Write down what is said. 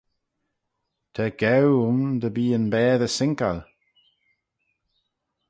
Ta gaaue ayn dy bee yn baatey sinkal